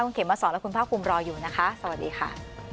คุณเขมมาสอนและคุณภาคภูมิรออยู่นะคะสวัสดีค่ะ